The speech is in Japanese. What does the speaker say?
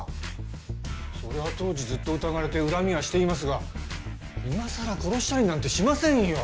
そりゃ当時ずっと疑われて恨みはしていますが今さら殺したりなんてしませんよ！